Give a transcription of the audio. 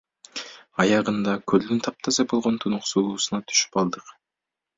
Аягында көлдүн таптаза болгон тунук суусуна түшүп алдык.